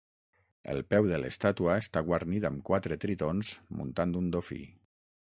El peu de l'estàtua està guarnit amb quatre tritons muntant un dofí.